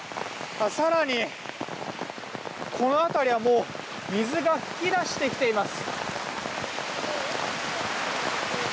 更にこの辺りは水が噴き出してきています。